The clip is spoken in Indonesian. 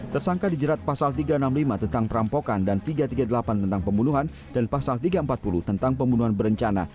tersangka dijerat pasal tiga ratus enam puluh lima tentang perampokan dan tiga ratus tiga puluh delapan tentang pembunuhan dan pasal tiga ratus empat puluh tentang pembunuhan berencana